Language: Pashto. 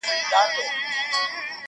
باندي اوښتي وه تر سلو اضافه کلونه!.